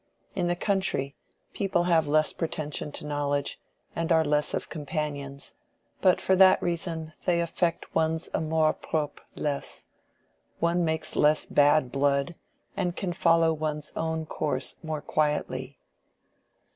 In the country, people have less pretension to knowledge, and are less of companions, but for that reason they affect one's amour propre less: one makes less bad blood, and can follow one's own course more quietly."